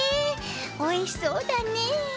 おいしそうだね。